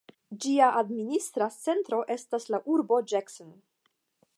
Ĝia administra centro estas la urbo Jackson.